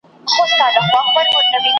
بس هر قدم مي د تڼاکو تصویرونه وینم .